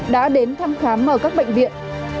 đã đến thăm khám ở các bệnh viện